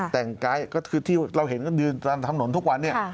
แต่งกายก็คือที่เราเห็นกันยืนตามถนนทุกวันนี้